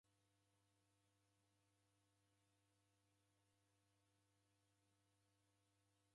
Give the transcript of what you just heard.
Mali rape nderimghirie kuw'ada na w'akiw'a.